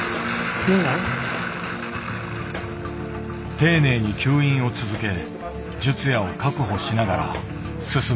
丁寧に吸引を続け術野を確保しながら進み続ける。